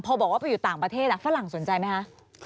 พอบอกว่าไปอยู่ต่างประเทศฝรั่งสนใจไหมคะ